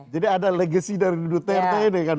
jadi ada legacy dari duterte ini kan